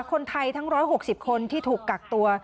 คนไทยทั้ง๑๖๐คนที่ถูกกักตัว